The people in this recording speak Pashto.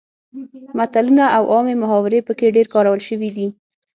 متلونه او عامې محاورې پکې ډیر کارول شوي دي